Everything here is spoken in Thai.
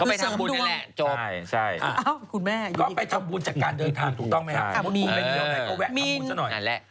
เข้าไปทำบุญจากการเดินทางถูกต้องไหมครับ